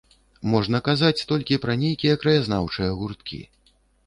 Можна казаць толькі пра нейкія краязнаўчыя гурткі.